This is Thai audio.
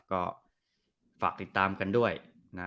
ก็ฝากติดตามกันด้วยนะ